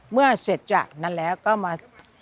เมื่อเสร็จจากนั้นแล้วก็มา